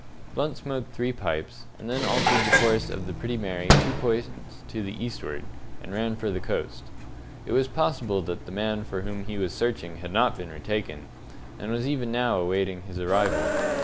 Blunt smoked three pipes, and then altered the course of the Pretty Mary two points to the eastward, and ran for the coast. It was possible that the man for whom he was searching had not been retaken, and was even now awaiting his arrival.